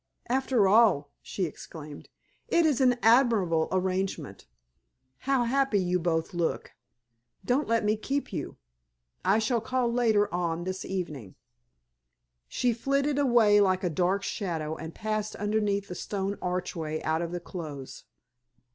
"After all," she exclaimed, "it is an admirable arrangement! How happy you both look! Don't let me keep you! I shall call later on this evening." She flitted away like a dark shadow and passed underneath the stone archway out of the close.